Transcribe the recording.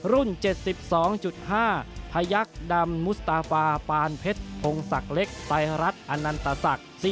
รุ่น๗๒๕พยักษ์ดำมุสตาฟาปานเพชรพงศักดิ์เล็กไซรัสอนันตศักดิ์